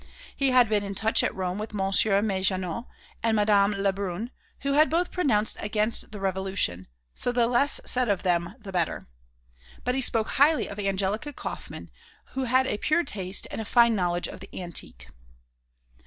He had been in touch at Rome with Monsieur Ménageot and Madame Lebrun, who had both pronounced against the Revolution; so the less said of them the better. But he spoke highly of Angelica Kauffmann, who had a pure taste and a fine knowledge of the Antique.